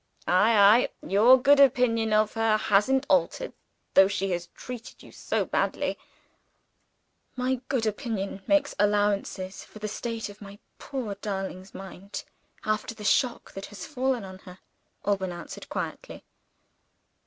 "Ay? ay? Your good opinion of her hasn't altered, though she has treated you so badly?" "My good opinion makes allowance for the state of my poor darling's mind, after the shock that has fallen on her," Alban answered quietly.